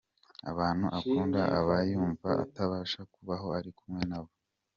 Abantu akunda aba yumva atabasha kubaho ari kumwe nabo.